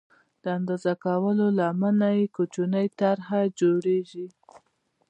د اندازه کولو لمنه یې کوچنۍ طرحه او جوړېږي.